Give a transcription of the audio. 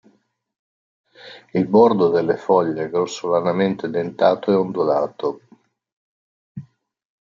Il bordo delle foglie grossolanamente dentato e ondulato.